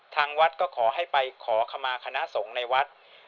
ทางวัดก็ขอให้ไปขอขมาคณะสงฆ์ในวัด